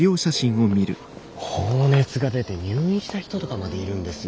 高熱が出て入院した人とかまでいるんですよ。